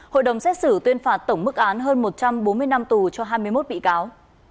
hội đồng xét xử tuyên phạt tổng mức án hơn một trăm bốn mươi năm tù cho hai mươi một bị cáo